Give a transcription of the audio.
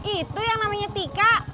itu yang namanya tika